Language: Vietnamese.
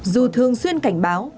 dù thường xuyên cảnh báo